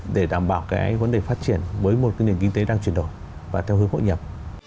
để đảm bảo cái vấn đề phát triển với một cái nền kinh tế đang chuyển đổi và theo hướng hội nhập